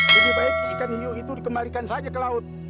lebih baik ikan hiu itu dikembalikan saja ke laut